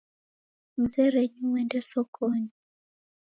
Mzerenyi uende sokonyi